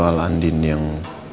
soal andin yang